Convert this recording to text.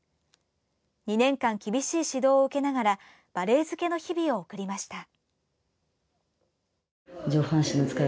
２年間、厳しい指導を受けながらバレエ漬けの日々を送りました。